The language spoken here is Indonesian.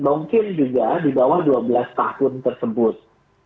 mungkin juga di bawah dua belas tahun tersebut